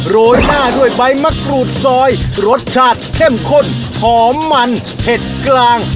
โรยหน้าด้วยใบมะกรูดซอยรสชาติเข้มข้นหอมมันเผ็ดกลาง